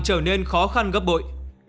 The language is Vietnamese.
trở nên khó khăn gấp bội